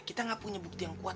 kita nggak punya bukti yang kuat